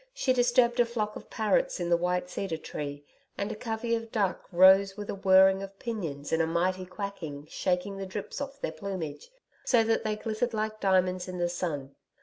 She disturbed a flock of parrots in the white cedar tree, and a covey of duck rose with a whirring of pinions and a mighty quacking, shaking the drips off their plumage so that they glittered like diamonds in the sun.